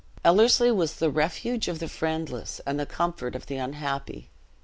Ellerslie was the refuge of the friendless, and the comfort of the unhappy.